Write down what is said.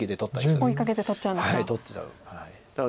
追いかけて取っちゃうんですか。